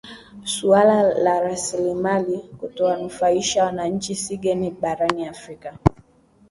suala la rasilimali kutowanufaisha wananchi si geni barani afrika